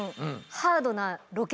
ハードなロケ。